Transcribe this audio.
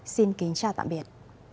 xin kính chào tạm biệt